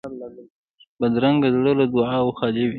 بدرنګه زړه له دعاوو خالي وي